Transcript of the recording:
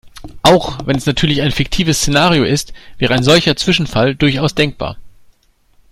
Auch wenn es natürlich ein fiktives Szenario ist, wäre ein solcher Zwischenfall durchaus denkbar.